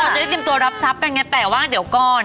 จะได้เตรียมตัวรับทรัพย์กันไงแต่ว่าเดี๋ยวก่อน